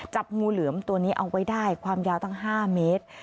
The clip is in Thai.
จับงูเหลือมตัวนี้เอาไว้ได้ความยาวตั้ง๕เมตร